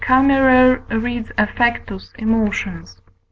Camerer reads affectus emotions.